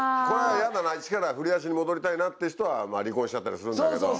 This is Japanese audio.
これは嫌だなイチから振り出しに戻りたいなっていう人は離婚しちゃったりするんだけど。